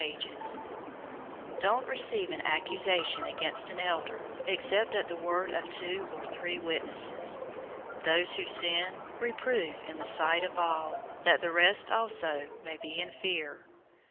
"{Luke 10:7; Leviticus 19:13} 005:019 Don't receive an accusation against an elder, except at the word of two or three witnesses. 005:020 Those who sin, reprove in the sight of all, that the rest also may be in fear.